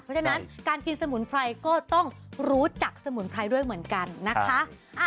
เพราะฉะนั้นการกินสมุนไพรก็ต้องรู้จักสมุนไพรด้วยเหมือนกันนะคะ